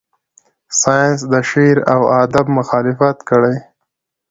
ساینس د شعر و ادب مخالفت کړی.